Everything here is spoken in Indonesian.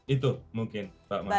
itu mungkin pak mbak